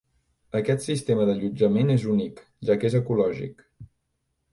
Aquest sistema d'allotjament és únic, ja que és ecològic.